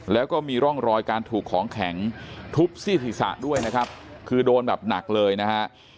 แล้วก็มีร่องรอยการถูกของแข็งทุบซี่ศีรษะด้วยนะครับคือโดนแบบหนักเลยนะฮะ